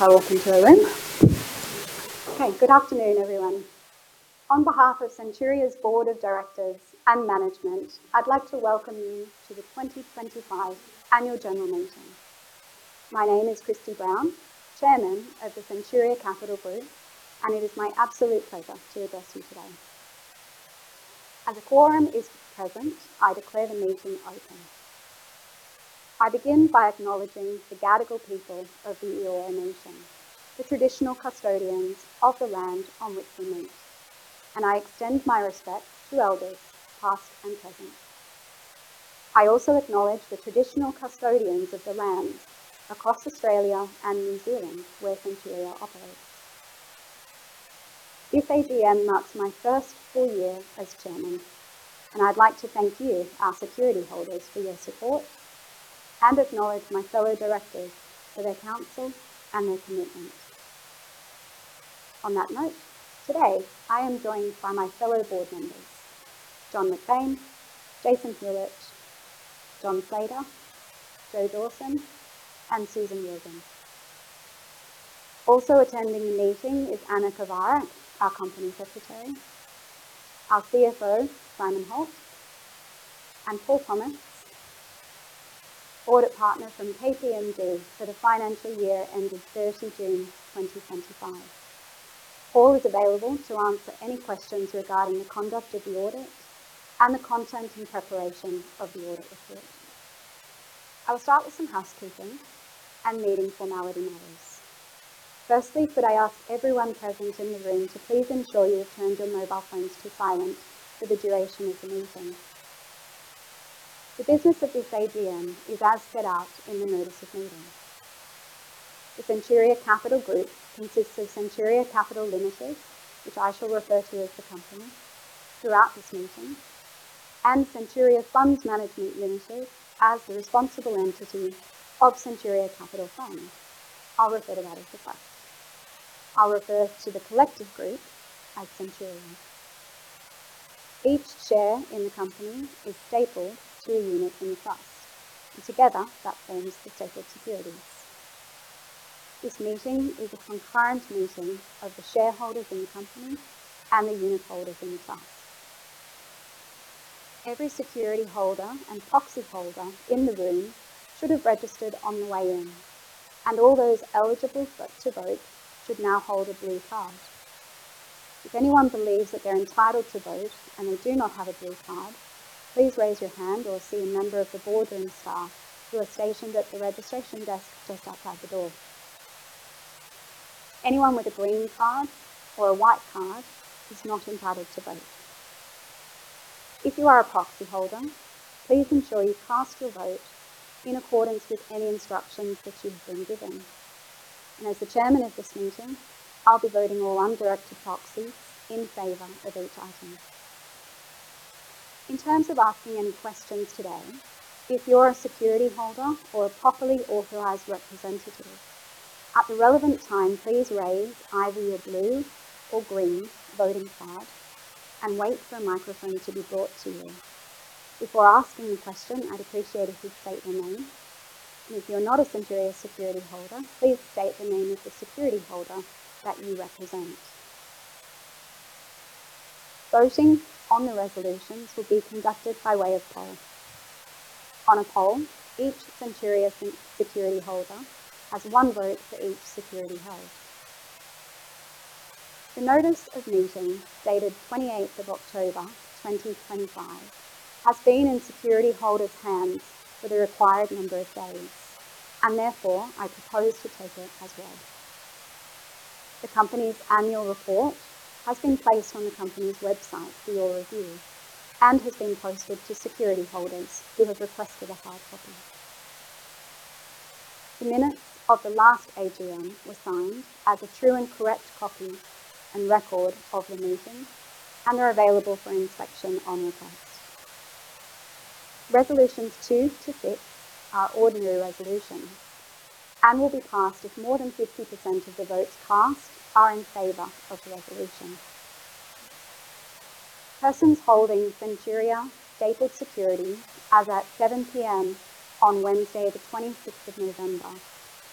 Hello, good afternoon, everyone. On behalf of Centuria's Board of Directors and Management, I'd like to welcome you to the 2025 Annual General Meeting. My name is Kristie Brown, Chairman of the Centuria Capital Group, and it is my absolute pleasure to address you today. As a quorum is present, I declare the meeting open. I begin by acknowledging the Gadigal people of the Eora Nation, the traditional custodians of the land on which we meet, and I extend my respect to Elders, Past and Present. I also acknowledge the traditional custodians of the lands across Australia and New Zealand where Centuria operates. This AGM marks my 1st full year as Chairman, and I'd like to thank you, our Securityholders, for your support and acknowledge my fellow Directors for their Counsel and their commitment. On that note, today I am joined by my fellow Board Members: John McBain, Jason Huljich, John Slater, Jo Dawson, and Susan Wilber. Also attending the meeting is Anna Kovarik, our Company Secretary, our CFO, Simon Holt, and Paul Thomas, Audit Partner from KPMG for the financial year ending 30 June 2025. Paul is available to answer any questions regarding the Conduct of the Audit and the content and preparation of the Audit Report. I will start with some housekeeping and meeting formality matters. Firstly, could I ask everyone present in the room to please ensure you have turned your Mobile phones to silent for the duration of the meeting? The business of this AGM is as set out in the Notice of Meeting. The Centuria Capital Group consists of Centuria Capital Limited, which I shall refer to as the Company throughout this meeting, and Centuria Funds Management Limited as the responsible entity of Centuria Capital Fund. I'll refer to that as the Trust. I'll refer to the Collective Group as Centuria. Each share in the Company is stapled to a unit in the Trust, and together that forms the stapled securities. This meeting is a concurrent meeting of the shareholders in the Company and the unit holders in the Trust. Every Securityholder and Proxy holder in the room should have registered on the way in, and all those eligible to vote should now hold a Blue Card. If anyone believes that they're entitled to vote and they do not have a Blue Card, please raise your hand or see a member of the Boardroom staff who are stationed at the Registration Desk just outside the door. Anyone with a Green Card or a White Card is not entitled to vote. If you are a Proxy holder, please ensure you cast your vote in accordance with any instructions that you have been given. As the Chairman of this meeting, I'll be voting all undirected Proxies in favor of each item. In terms of asking any questions today, if you're a Securityholder or a properly authorized representative, at the relevant time, please raise either your Blue or Green Voting Card and wait for a microphone to be brought to you. Before asking a question, I'd appreciate it if you'd state your name. If you're not a Centuria Securityholder, please state the name of the Securityholder that you represent. Voting on the resolutions will be conducted by way of poll. On a poll, each Centuria Securityholder has one vote for each security held. The Notice of Meeting dated 28 October 2025 has been in Securityholders' hands for the required number of days, and therefore I propose to take it as read. The Company's Annual Report has been placed on the Company's website for your review and has been posted to Securityholders who have requested a hard copy. The minutes of the last AGM were signed as a true and correct copy and record of the meeting, and they're available for inspection on request. Resolutions two to six are ordinary resolutions and will be passed if more than 50% of the votes cast are in favor of the resolution. Persons holding Centuria stapled security as at 7:00 P.M. on Wednesday, the 26th of November,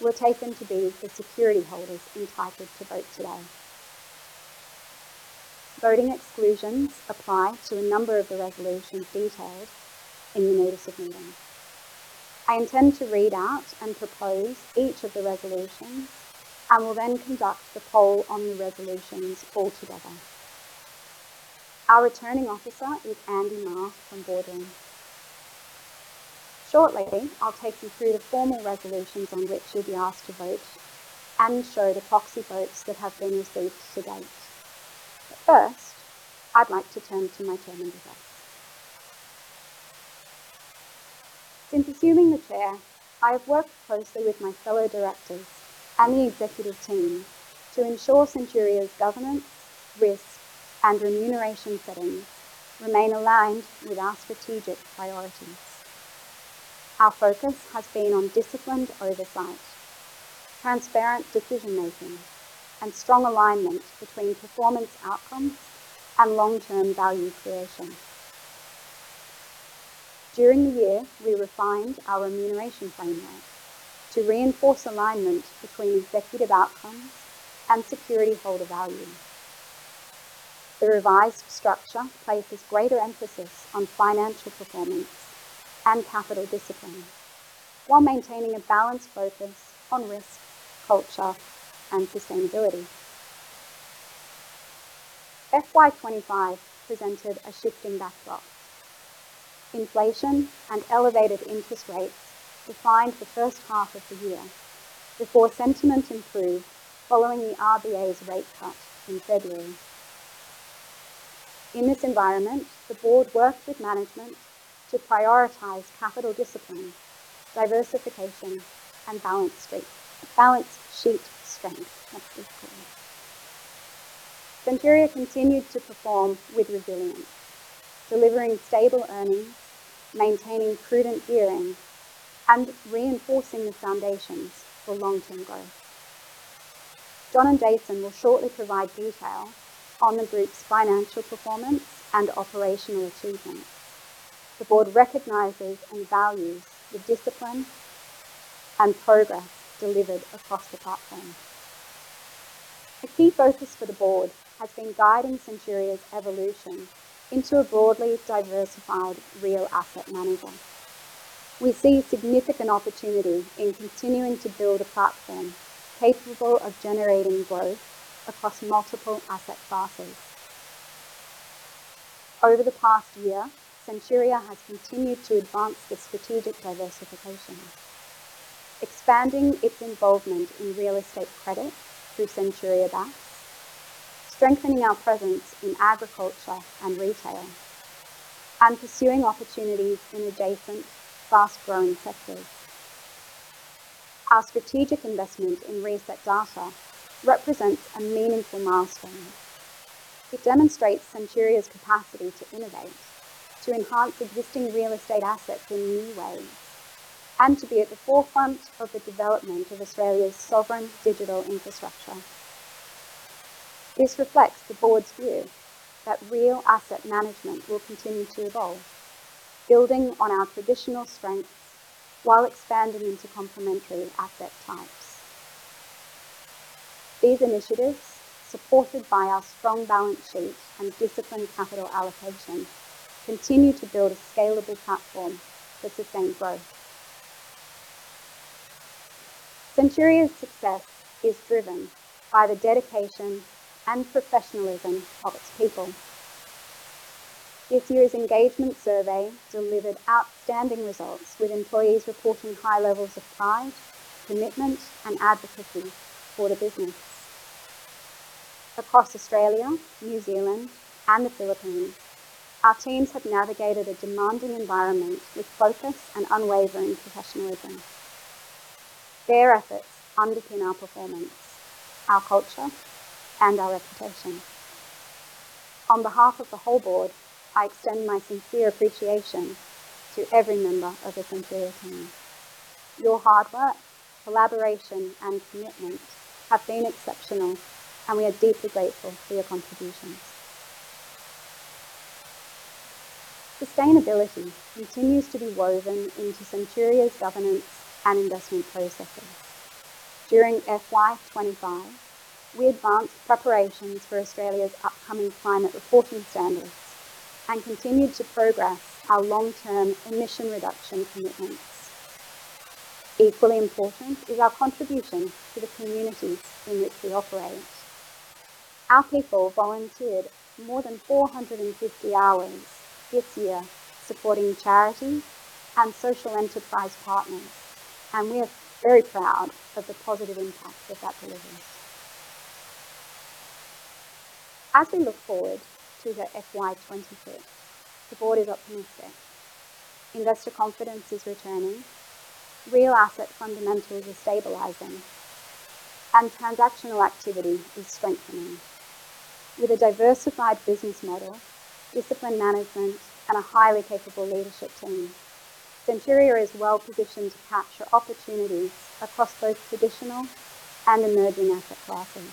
will be taken to be the Securityholders entitled to vote today. Voting exclusions apply to a number of the resolutions detailed in the Notice of Meeting. I intend to read out and propose each of the resolutions and will then conduct the poll on the resolutions altogether. Our Returning Officer is Andy Marr from Boardroom. Shortly, I'll take you through the formal resolutions on which you'll be asked to vote and show the proxy votes that have been received to date. First, I'd like to turn to my Chairman's address. Since assuming the chair, I have worked closely with my fellow Directors and the Executive team to ensure Centuria's governance, risk, and remuneration settings remain aligned with our strategic priorities. Our focus has been on disciplined oversight, transparent decision-making, and strong alignment between performance outcomes and long-term value creation. During the year, we refined our remuneration framework to reinforce alignment between executive outcomes and Securityholder value. The revised structure places greater emphasis on financial performance and capital discipline while maintaining a balanced focus on risk, culture, and sustainability. FY 2025 presented a shifting backdrop. Inflation and elevated interest rates defined the 1st half of the year before sentiment improved following the RBA's rate cut in February. In this environment, the Board worked with management to prioritize capital discipline, diversification, and Balance Sheet strength. Centuria continued to perform with resilience, delivering stable earnings, maintaining prudent gearing, and reinforcing the foundations for long-term growth. John and Jason will shortly provide detail on the group's financial performance and operational achievements. The Board recognizes and values the discipline and progress delivered across the platform. A key focus for the Board has been guiding Centuria's evolution into a broadly diversified real asset manager. We see significant opportunity in continuing to build a platform capable of generating growth across multiple asset classes. Over the past year, Centuria has continued to advance the strategic diversification, expanding its involvement in Real Estate Credit through Centuria Bank, strengthening our presence in agriculture and retail, and pursuing opportunities in adjacent fast-growing sectors. Our strategic investment in ResetData represents a meaningful milestone. It demonstrates Centuria's capacity to innovate, to enhance existing Real Estate assets in new ways, and to be at the forefront of the development of Australia's sovereign digital infrastructure. This reflects the Board's view that real Asset Management will continue to evolve, building on our traditional strengths while expanding into Complementary Asset Types. These initiatives, supported by our strong Balance Sheet and disciplined Capital Allocation, continue to build a scalable platform for sustained growth. Centuria's success is driven by the dedication and professionalism of its people. This year's engagement survey delivered outstanding results, with employees reporting high levels of pride, commitment, and advocacy for the business. Across Australia, New Zealand, and the Philippines, our teams have navigated a demanding environment with focus and unwavering professionalism. Their efforts underpin our performance, our culture, and our reputation. On behalf of the whole Board, I extend my sincere appreciation to every member of the Centuria team. Your hard work, collaboration, and commitment have been exceptional, and we are deeply grateful for your contributions. Sustainability continues to be woven into Centuria's governance and investment processes. During FY 2025, we advanced preparations for Australia's upcoming climate reporting standards and continued to progress our long-term emission reduction commitments. Equally important is our contribution to the communities in which we operate. Our people volunteered more than 450 hours this year supporting Charities and Social Enterprise partners, and we are very proud of the positive impact that delivers. As we look forward to FY 2026, the Board is optimistic. Investor confidence is returning, Real Asset fundamentals are stabilizing, and transactional activity is strengthening. With a diversified business model, discipline management, and a highly capable leadership team, Centuria is well positioned to capture opportunities across both traditional and emerging asset classes.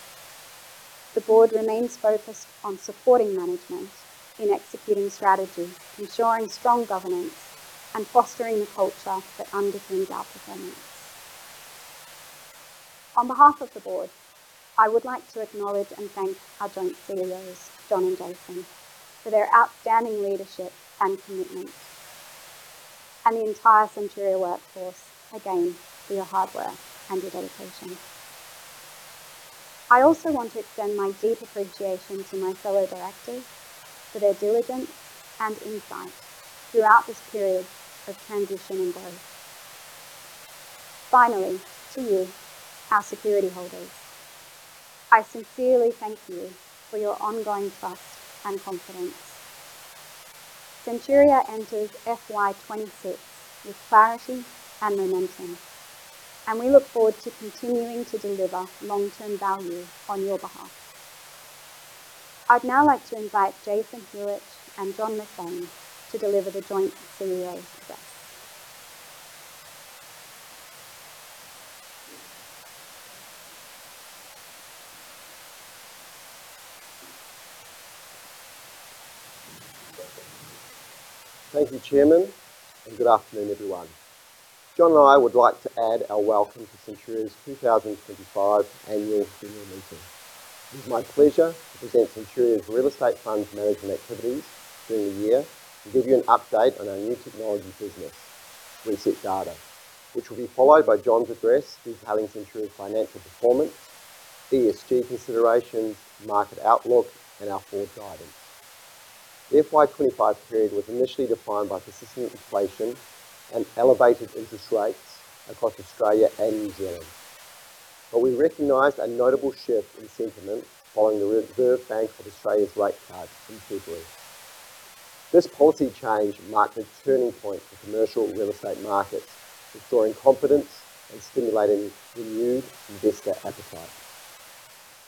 The Board remains focused on supporting management in executing strategy, ensuring strong governance, and fostering a culture that underpins our performance. On behalf of the Board, I would like to acknowledge and thank our Joint CEOs, John and Jason, for their outstanding leadership and commitment, and the entire Centuria workforce again for your hard work and your dedication. I also want to extend my deep appreciation to my fellow Directors for their diligence and insight throughout this period of transition and growth. Finally, to you, our Securityholders. I sincerely thank you for your ongoing trust and confidence. Centuria enters FY 2026 with clarity and momentum, and we look forward to continuing to deliver long-term value on your behalf. I'd now like to invite Jason Huljich and John McBain to deliver the Joint CEO's address. Thank you, Chairman, and good afternoon, everyone. John and I would like to add our welcome to Centuria's 2025 annual meeting. It is my pleasure to present Centuria's Real Estate Funds Management activities during the year and give you an update on our new technology business, ResetData, which will be followed by John's address detailing Centuria's financial performance, ESG considerations, market outlook, and our Board guidance. The FY 2025 period was initially defined by persistent inflation and elevated interest rates across Australia and New Zealand, but we recognized a notable shift in sentiment following the Reserve Bank of Australia's rate cut in February. This policy change marked a turning point for commercial Real Estate markets, restoring confidence and stimulating renewed investor appetite.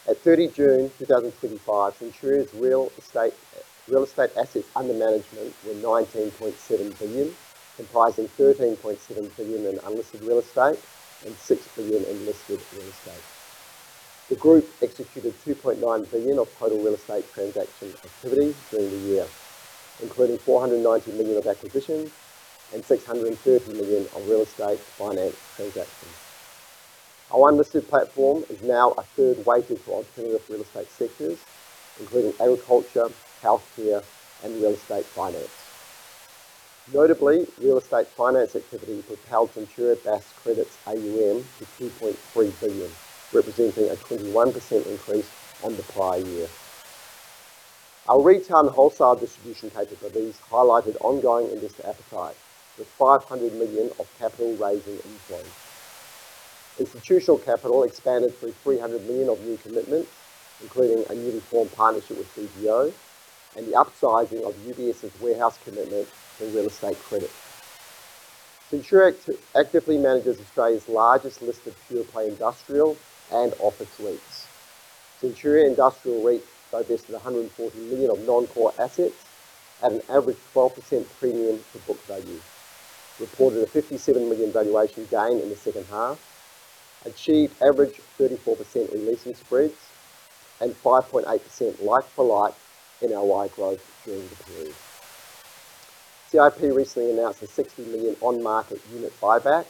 At 30 June 2025, Centuria's Real Estate assets under management were 19.7 billion, comprising 13.7 billion in unlisted Real Estate and 6 billion in listed Real Estate. The group executed 2.9 billion of total Real Estate transaction activity during the year, including 490 million of acquisitions and 630 million of Real Estate finance transactions. Our unlisted platform is now a third weighted for alternative Real Estate sectors, including Agriculture, Healthcare, and Real Estate finance. Notably, Real Estate finance activity propelled Centuria Bass Credit's AUM to 2.3 billion, representing a 21% increase on the prior year. Our retail and wholesale distribution capabilities highlighted ongoing investor appetite, with 500 million of Capital-raising Inflows. Institutional capital expanded through 300 million of new commitments, including a newly formed partnership with BDO and the upsizing of UBS's warehouse commitment to Real Estate credit. Centuria actively manages Australia's largest listed Pure-play Industrial and office REITs. Centuria Industrial REITs show vested 140 million of non-core assets at an average 12% premium to book value, reported a 57 million valuation gain in the 2nd half, achieved average 34% releasing spreads, and 5.8% like-for-like NLY growth during the period. CIP recently announced a 60 million on-market unit buyback,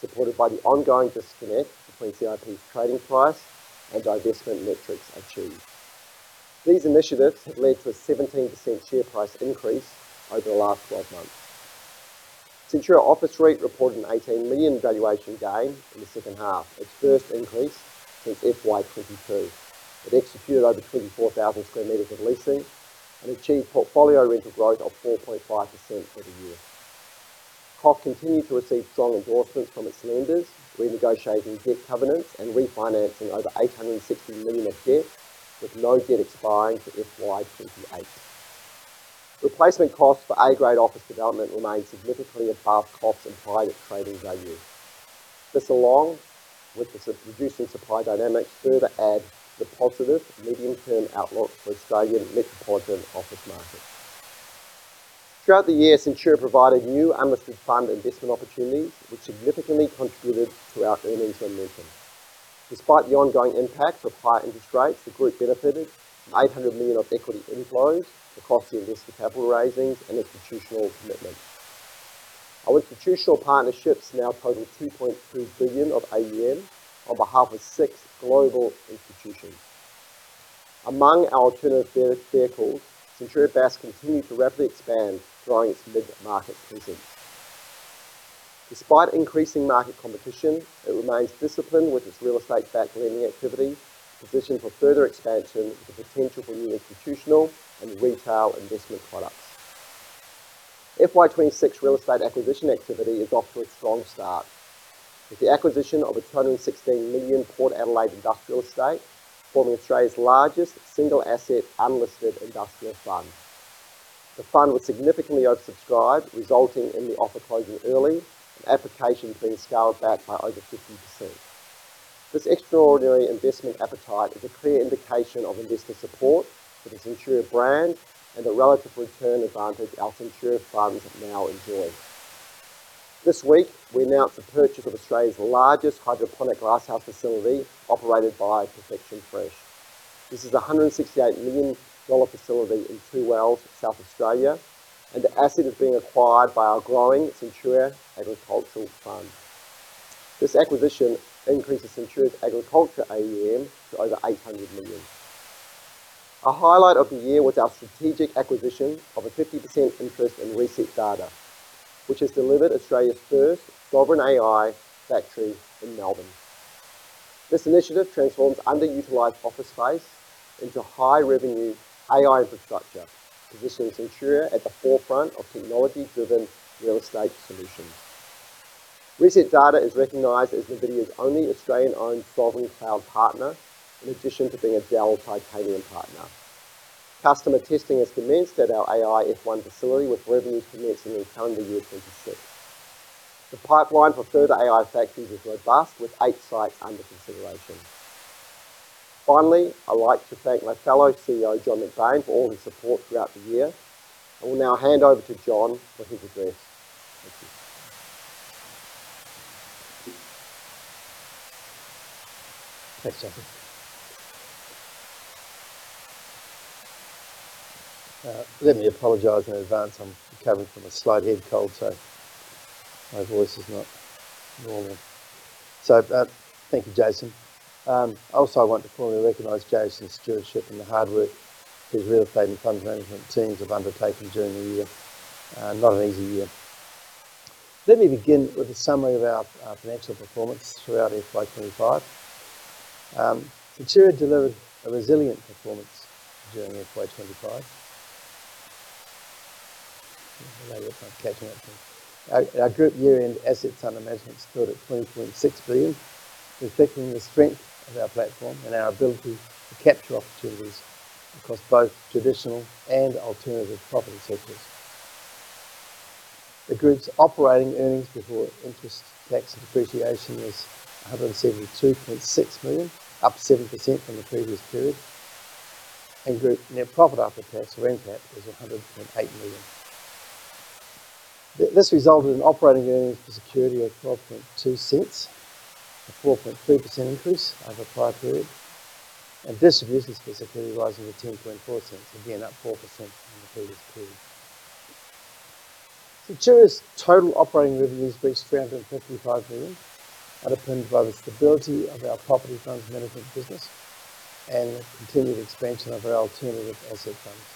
supported by the ongoing disconnect between CIP's trading price and divestment metrics achieved. These initiatives have led to a 17% share price increase over the last 12 months. Centuria Office REIT reported a 18 million valuation gain in the 2nd half, its 1st increase since FY 2022. It executed over 24,000 sq m of leasing and achieved portfolio rental growth of 4.5% for the year. COF continued to receive strong endorsements from its lenders, renegotiating debt covenants and refinancing over 860 million of debt, with no debt expiring to FY 2028. Replacement costs for A-grade Office Development remain significantly above COF's implied trading value. This, along with the reducing supply dynamics, further adds the positive medium-term outlook for Australian Metropolitan Office markets. Throughout the year, Centuria provided new unlisted fund investment opportunities, which significantly contributed to our earnings momentum. Despite the ongoing impact of higher interest rates, the group benefited from 800 million of equity inflows across the unlisted capital raisings and institutional commitments. Our institutional partnerships now total 2.2 billion of AUM on behalf of six global institutions. Among our alternative vehicles, Centuria Bass continues to rapidly expand, drawing its mid-market presence. Despite increasing market competition, it remains disciplined with its Real Estate back lending activity, positioned for further expansion with the potential for new institutional and retail investment products. FY 2026 Real Estate acquisition activity is off to a strong start, with the acquisition of a 216 million Port Adelaide Industrial Estate, forming Australia's largest single-asset unlisted industrial fund. The fund was significantly oversubscribed, resulting in the offer closing early and applications being scaled back by over 50%. This extraordinary investment appetite is a clear indication of investor support for the Centuria brand and the relative return advantage our Centuria funds now enjoy. This week, we announced the purchase of Australia's largest Hydroponic Glasshouse Facility operated by Perfection Fresh. This is a 168 million dollar facility in Two Wells, South Australia, and the asset is being acquired by our growing Centuria Agricultural Fund. This acquisition increases Centuria's agriculture AUM to over 800 million. A highlight of the year was our strategic acquisition of a 50% interest in ResetData, which has delivered Australia's 1st sovereign AI Factory in Melbourne. This initiative transforms underutilized office space into high-revenue AI infrastructure, positioning Centuria at the forefront of technology-driven Real Estate solutions. ResetData is recognized as NVIDIA's only Australian-owned Sovereign Cloud partner, in addition to being a Dell Titanium partner. Customer testing has commenced at our AI F1 facility with revenues commencing in Calendar Year 2026. The pipeline for further AI factories is robust, with eight sites under consideration. Finally, I'd like to thank my fellow CEO, John McBain, for all his support throughout the year. I will now hand over to John for his address. Thank you. Thanks, Jason. Let me apologize in advance. I'm coming from a slight head cold, so my voice is not normal. Thank you, Jason. Also, I want to formally recognize Jason's stewardship and the hard work his Real Estate and Funds Management teams have undertaken during the year. Not an easy year. Let me begin with a summary of our financial performance throughout FY 2025. Centuria delivered a resilient performance during FY 2025. Maybe it's not catching up to me. Our group year-end assets under management stood at 20.6 billion, reflecting the strength of our platform and our ability to capture opportunities across both traditional and alternative property sectors. The group's operating earnings before interest, tax, and depreciation was 172.6 million, up 7% from the previous period. Group net profit after tax, or NPAT, was 108 million. This resulted in operating earnings per security of 0.122, a 4.3% increase over a prior period, and distributions per security rising to 0.104, again up 4% from the previous period. Centuria's Total Operating Revenues reached 355 million, underpinned by the stability of our property Funds Management business and the continued expansion of our alternative asset funds.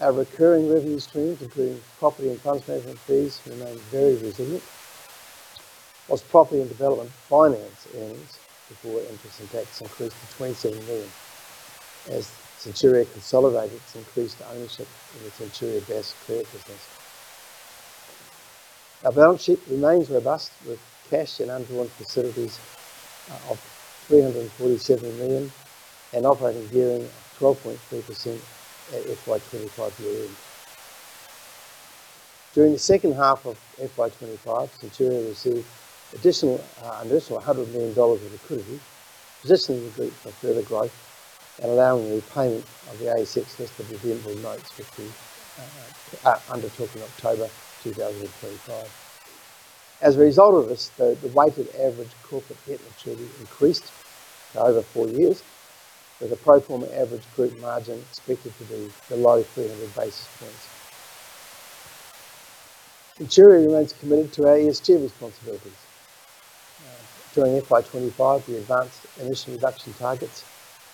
Our recurring revenue streams, including property and Funds Management fees, remained very resilient, whilst property and development finance earnings before interest and tax increased to 27 million, as Centuria consolidated its increased ownership in the Centuria Bass Credit business. Our Balance Sheet remains robust, with cash and undrawn facilities of 347 million and operating year-end of 12.3% at FY 2025 year-end. During the second half of FY 2025, Centuria received additional 100 million dollars of liquidity, positioning the group for further growth and allowing the repayment of the ASX-listed Resettable Notes which we undertook in October 2025. As a result of this, the Weighted Average Corporate Debt Maturity increased over four years, with a pro forma average group margin expected to be below 300 basis points. Centuria remains committed to our ESG responsibilities. During FY 2025, we advanced emission reduction targets,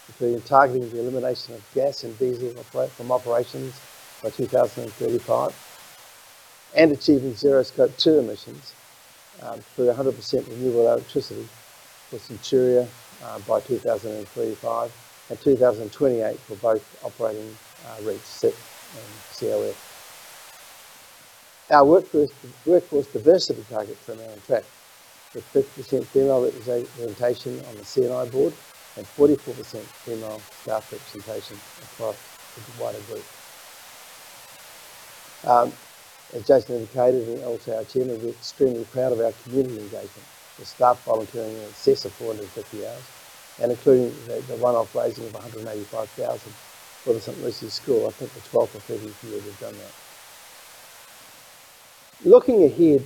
including targeting the elimination of gas and diesel from operations by 2035 and achieving zero scope two emissions through 100% renewable electricity for Centuria by 2035 and 2028 for both operating REITs CET and CLF. Our workforce diversity targets remain intact, with 50% female representation on the CNI Board and 44% female staff representation across the wider group. As Jason indicated and also our Chairman, we're extremely proud of our community engagement with staff volunteering in excess of 450 hours and including the one-off raising of 185,000 for the St. Lucie School. I think the 12% of people have done that. Looking ahead,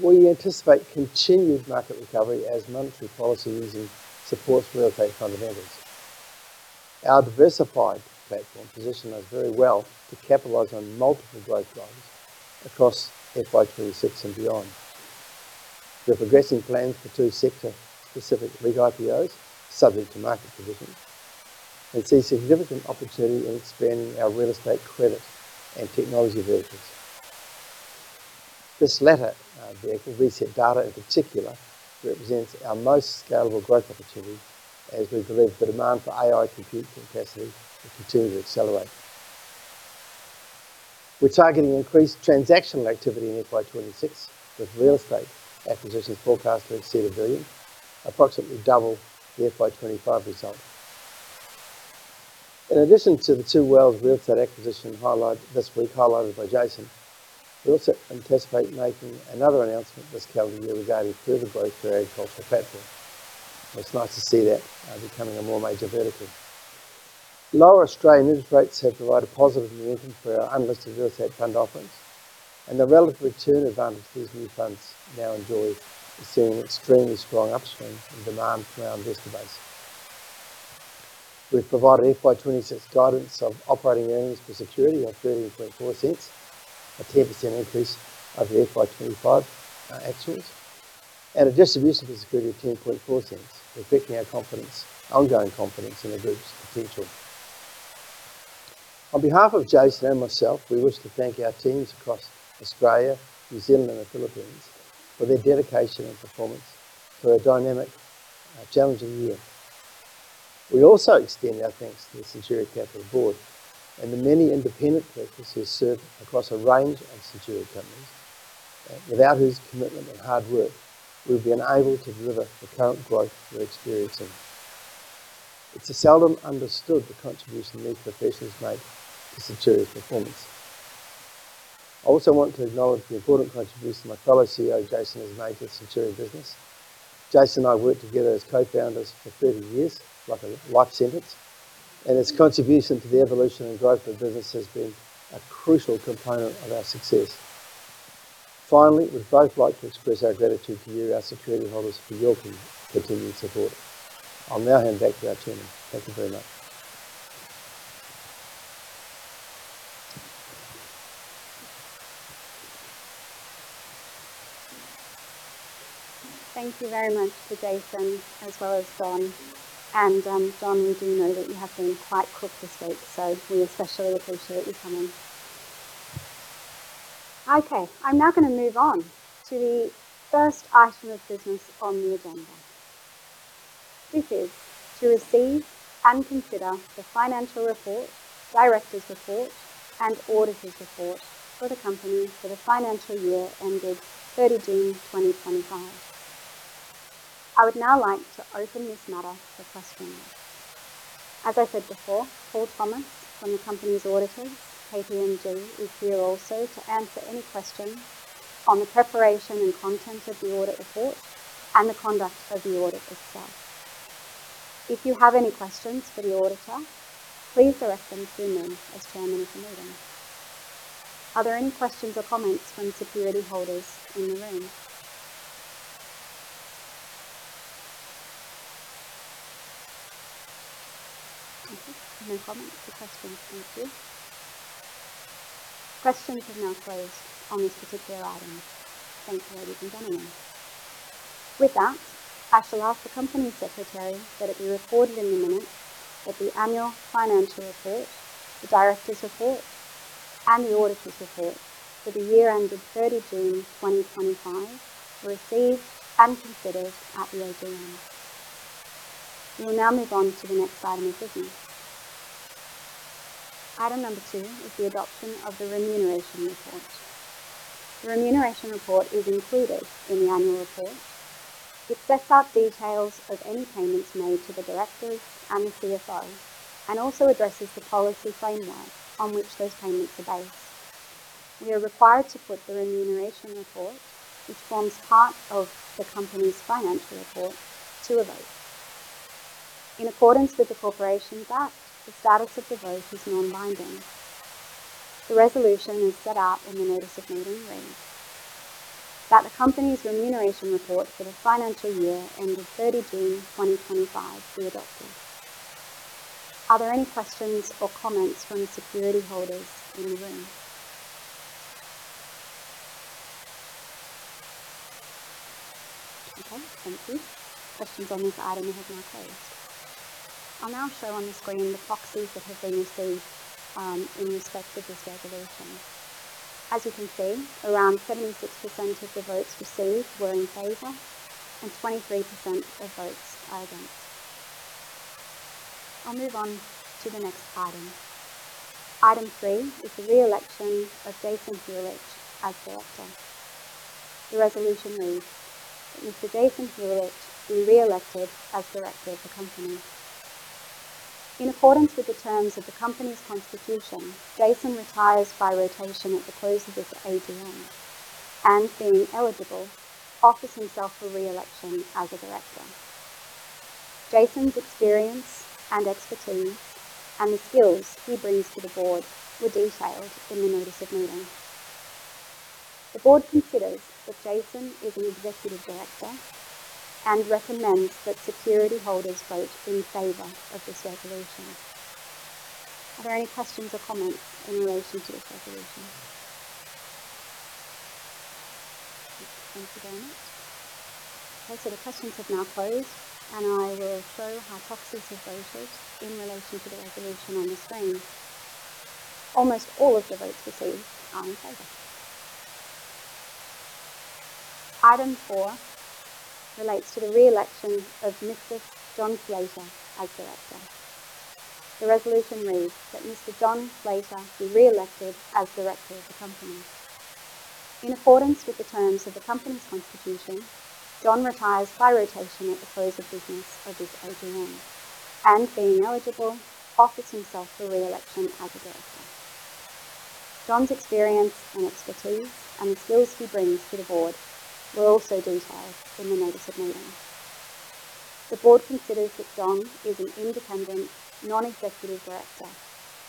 we anticipate continued market recovery as monetary policy supports Real Estate fundamentals. Our diversified platform positions us very well to capitalise on multiple growth drivers across FY 2026 and beyond. We have progressive plans for two sector-specific REIT IPOs, subject to market conditions, and see significant opportunity in expanding our Real Estate credit and technology vehicles. This latter vehicle, ResetData in particular, represents our most scalable growth opportunity as we believe the demand for AI compute capacity will continue to accelerate. We're targeting increased transactional activity in FY 2026, with Real Estate acquisitions forecast to exceed 1 billion, approximately double the FY 2025 result. In addition to the Two Wells Real Estate acquisition highlight this week highlighted by Jason, we also anticipate making another announcement this Calendar Year regarding further growth for our agricultural platform. It's nice to see that becoming a more major vertical. Lower Australian interest rates have provided positive momentum for our unlisted Real Estate fund offerings, and the relative return advantage these new funds now enjoy is seeing an extremely strong upswing in demand from our investor base. We have provided FY 2026 guidance of operating earnings per security of 0.134, a 10% increase over FY 2025 actuals, and a distribution per security of 0.104, reflecting our ongoing confidence in the group's potential. On behalf of Jason and myself, we wish to thank our teams across Australia, New Zealand, and the Philippines for their dedication and performance through a dynamic, challenging year. We also extend our thanks to the Centuria Capital Board and the many independent Directors who have served across a range of Centuria companies. Without whose commitment and hard work, we would be unable to deliver the current growth we are experiencing. It's seldom understood the contribution these professionals made to Centuria's performance. I also want to acknowledge the important contribution my fellow CEO, Jason, has made to the Centuria business. Jason and I worked together as Co-founders for 30 years, like a life sentence, and his contribution to the evolution and growth of the business has been a crucial component of our success. Finally, we'd both like to express our gratitude to you, our Securityholders, for your continued support. I'll now hand back to our Chairman. Thank you very much. Thank you very much for Jason, as well as John. And John, we do know that you have been quite quick this week, so we especially appreciate you coming. Okay, I'm now going to move on to the 1st item of business on the agenda. This is to receive and consider the Financial Report, Director's Report, and Auditor's Report for the company for the financial year ended 30 June 2025. I would now like to open this matter for questions. As I said before, Paul Thomas from the company's auditors, KPMG, is here also to answer any questions on the preparation and content of the audit report and the conduct of the audit itself. If you have any questions for the auditor, please direct them to me as Chairman of the meeting. Are there any questions or comments from Securityholders in the room? Okay, no comments or questions. Thank you. Questions have now closed on this particular item. Thank you, ladies and gentlemen. With that, I shall ask the Company Secretary that it be recorded in the minutes that the annual Financial Report, the Directors' report, and the auditor's report for the year-ended 30 June 2025 were received and considered at the AGM. We will now move on to the next item of business. Item number two is the adoption of the remuneration report. The remuneration report is included in the annual report. It sets out details of any payments made to the Directors and the CFO and also addresses the policy framework on which those payments are based. We are required to put the remuneration report, which forms part of the company's Financial Report, to a vote. In accordance with the Corporations Act, the status of the vote is non-binding. The resolution as set out in the notice of meeting read that the company's remuneration report for the financial year ended 30 June 2025 be adopted. Are there any questions or comments from Securityholders in the room? Okay, thank you. Questions on this item have now closed. I'll now show on the screen the Proxies that have been received in respect of this resolution. As you can see, around 76% of the votes received were in favor, and 23% of votes are against. I'll move on to the next item. Item 3 is the re-election of Jason Huljich as Director. The resolution reads, "Mr. Jason Huljich be re-elected as Director of the company." In accordance with the terms of the company's constitution, Jason retires by rotation at the close of this AGM and, being eligible, offers himself for re-election as a Director. Jason's experience and expertise and the skills he brings to the Board were detailed in the notice of meeting. The Board considers that Jason is an Executive Director and recommends that Securityholders vote in favor of this resolution. Are there any questions or comments in relation to this resolution? Thank you very much. Okay, the questions have now closed, and I will show how Proxies have voted in relation to the resolution on the screen. Almost all of the votes received are in favor. Item 4 relates to the re-election of Mr. John Fleischer as Director. The resolution reads that Mr. John Fleischer be re-elected as Director of the company. In accordance with the terms of the company's constitution, John retires by rotation at the close of business of this AGM and, being eligible, offers himself for re-election as a Director. John's experience and expertise and the skills he brings to the Board were also detailed in the notice of meeting. The Board considers that John is an Independent, Non-Executive Director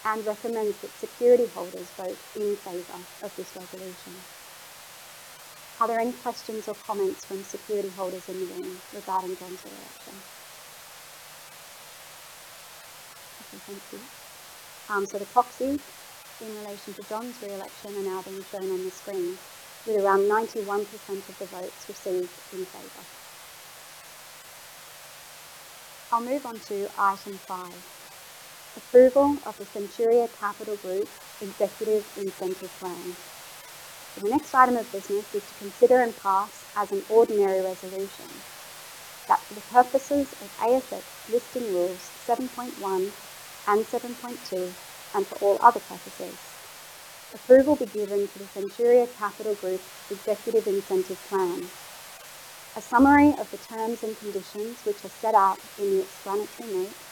and recommends that Securityholders vote in favor of this resolution. Are there any questions or comments from Securityholders in the room regarding John's re-election? Okay, thank you. The Proxies in relation to John's re-election are now being shown on the screen, with around 91% of the votes received in favor. I'll move on to item 5, approval of the Centuria Capital Group Executive Incentive Plan. The next item of business is to consider and pass as an ordinary resolution that, for the purposes of ASX Listing Rules 7.1 and 7.2 and for all other purposes, approval be given to the Centuria Capital Group Executive Incentive Plan, a summary of the terms and conditions which are set out in the explanatory notes,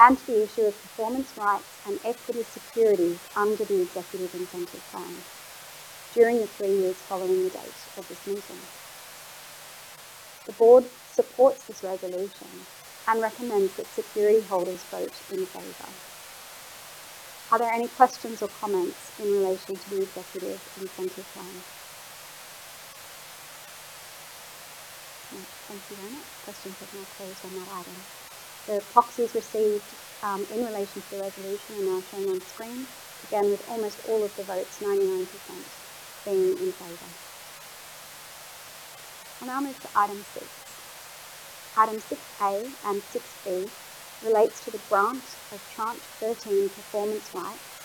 and the issue of performance rights and equity security under the Executive Incentive Plan during the three years following the date of this meeting. The Board supports this resolution and recommends that Securityholders vote in favor. Are there any questions or comments in relation to the Executive Incentive Plan? Thank you very much. Questions have now closed on that item. The Proxies received in relation to the resolution are now shown on the screen, again with almost all of the votes, 99%, being in favor. I'll now move to item 6. Item 6A and 6B relates to the Grant of Tranche 13 performance rights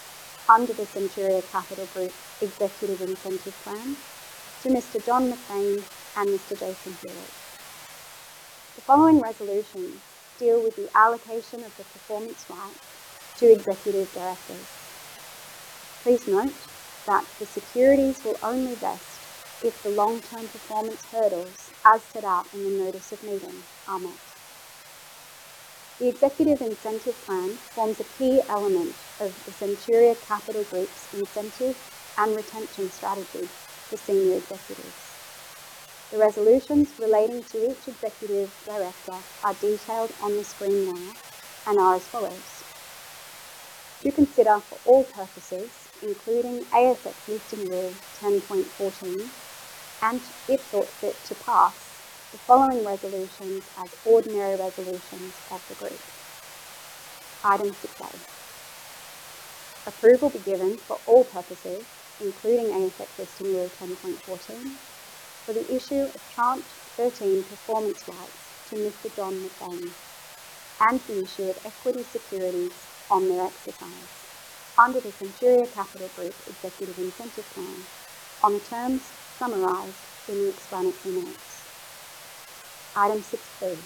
under the Centuria Capital Group Executive Incentive Plan to Mr. John McBain and Mr. Jason Huljich. The following resolutions deal with the allocation of the performance rights to Executive Directors. Please note that the securities will only vest if the long-term performance hurdles as set out in the notice of meeting are met. The Executive Incentive Plan forms a key element of the Centuria Capital Group's incentive and retention strategy for Senior Executives. The resolutions relating to each Executive Director are detailed on the screen now and are as follows. To consider for all purposes, including ASX Listing Rule 10.14 and as thought fit to pass, the following resolutions as ordinary resolutions of the group. Item 6A. Approval be given for all purposes, including ASX Listing Rule 10.14, for the Issue of Tranche 13 performance rights to Mr. John McBain and the issue of Equity Securities on their exercise under the Centuria Capital Group Executive Incentive Plan on the terms summarised in the explanatory notes. Item 6B.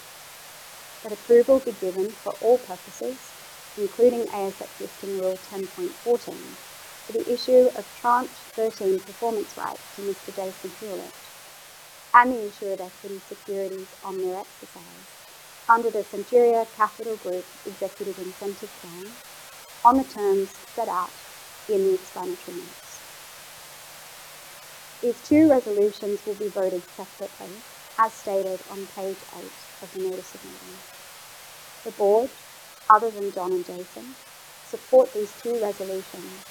That approval be given for all purposes, including ASX Listing Rule 10.14, for the Issue of Tranche 13 performance rights to Mr. Jason Huljich and the issue of equity securities on their exercise under the Centuria Capital Group Executive Incentive Plan on the terms set out in the explanatory notes. These two resolutions will be voted separately, as stated on page eight of the notice of meeting. The Board, other than John and Jason, support these two resolutions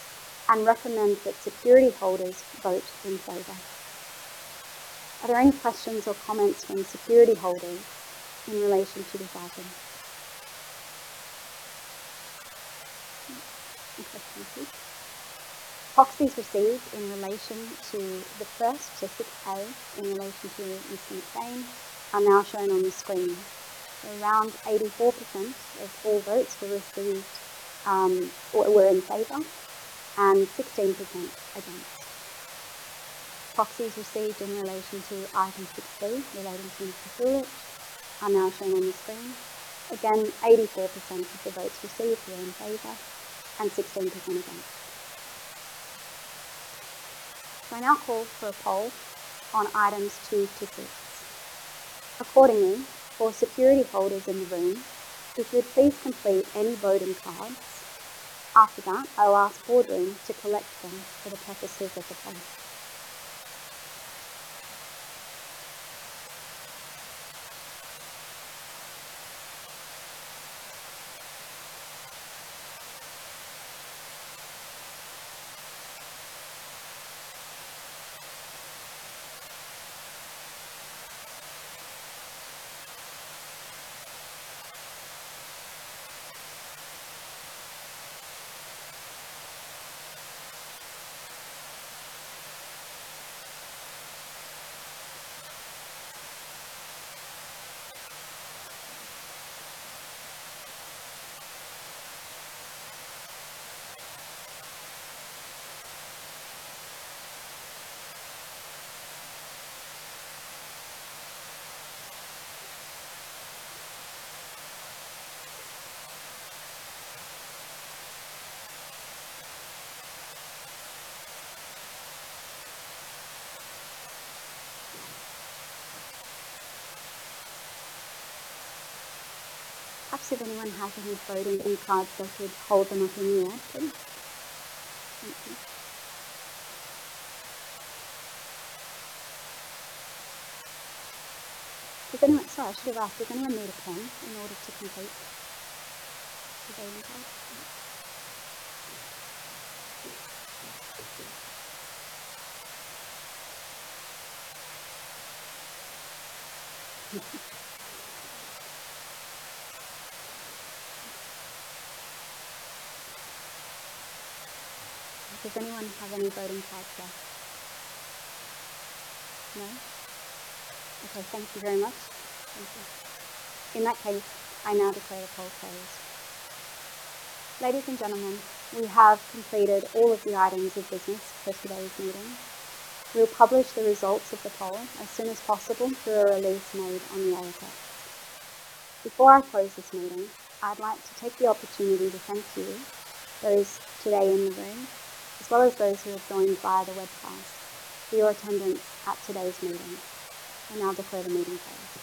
and recommend that Securityholders vote in favor. Are there any questions or comments from Securityholders in relation to this item? Okay, thank you. Proxies received in relation to the 1st to 6A in relation to Mr. McBain are now shown on the screen. Around 84% of all votes were received or were in favor, and 16% against. Proxies received in relation to item 6B relating to Mr. Huljich are now shown on the screen. Again, 84% of the votes received were in favor, and 16% against. I'll now call for a poll on items two to six. Accordingly, for Securityholders in the room, if you would please complete any voting cards. After that, I'll ask Boardroom to collect them for the purposes of the poll. Absolutely no one who hasn't been voting in cards, if you would hold them up in the air, please. Thank you. Does anyone—sorry, I should have asked—does anyone need a pen in order to complete? Does anyone have any voting cards left? No? Okay, thank you very much. Thank you. In that case, I now declare the poll closed. Ladies and gentlemen, we have completed all of the items of business for today's meeting. We'll publish the results of the poll as soon as possible through a release made on the ASX. Before I close this meeting, I'd like to take the opportunity to thank you, those today in the room, as well as those who have joined via the webcast, for your attendance at today's meeting. I'll now declare the meeting closed.